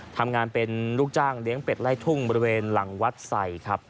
ทำงานเป็นลูกจ้างเลี้ยงเป็ดไล่ทุ่งบริเวณหลังวัดใส่ครับ